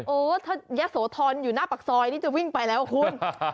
โอ้ถ้ายะโสธรอยู่หน้าปากซอยนี่จะวิ่งไปแล้วคุณ